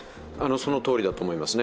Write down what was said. そのとおりだと思いますね。